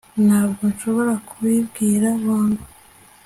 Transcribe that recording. Ntabwo nshobora kubibwira bombi